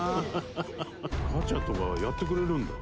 ガチャとかやってくれるんだ。